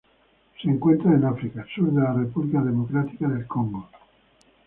Se encuentran en África: sur de la República Democrática del Congo.